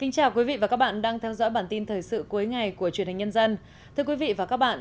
chào mừng quý vị đến với bản tin thời sự cuối ngày của truyền hình nhân dân